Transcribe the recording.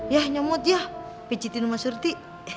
yah nyamud yah pijitin sama surti